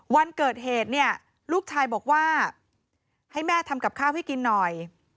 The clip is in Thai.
วันเกิดเหตุเนี่ยลูกชายบอกว่าให้แม่ทำกับข้าวให้กินหน่อย